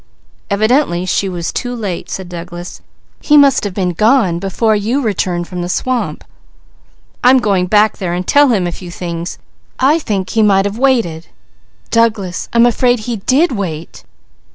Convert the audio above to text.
"Evidently she was too late!" said Douglas. "He must have been gone before you returned from the swamp." "I'm going back there and tell him a few things! I think he might have waited. Douglas, I'm afraid he did wait!